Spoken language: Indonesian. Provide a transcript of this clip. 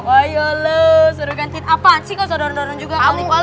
ayo lo suruh gantiin apa sih gak usah dorong dorong juga